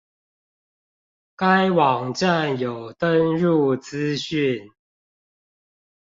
該網站有登入資訊